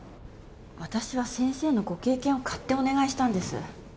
私は先生のご経験を買ってお願いしたんです。